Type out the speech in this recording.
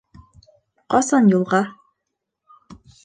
Ҡасан юлға?